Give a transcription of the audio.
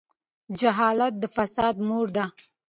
جهالت د فساد مور ده.